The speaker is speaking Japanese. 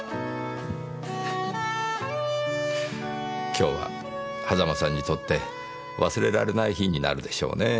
今日は狭間さんにとって忘れられない日になるでしょうねぇ。